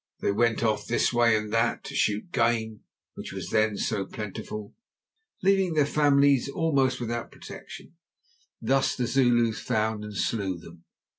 They went off this way and that, to shoot the game which was then so plentiful, leaving their families almost without protection. Thus the Zulus found and slew them.